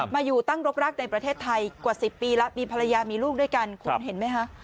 มาอยู่ตั้งรกรักในประเทศไทยกว่า๑๐ปีแล้วมีภรรยามีลูกด้วยกันคุณเห็นไหมคะ